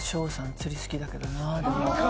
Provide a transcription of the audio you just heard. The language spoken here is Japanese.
釣り好きだけどな。